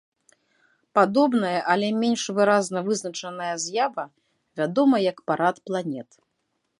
Падобная, але менш выразна вызначаная з'ява вядома як парад планет.